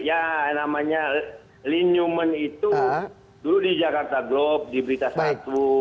ya namanya lin newman itu dulu di jakarta globe di berita satu